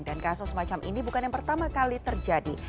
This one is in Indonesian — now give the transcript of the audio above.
dan kasus semacam ini bukan yang pertama kali terjadi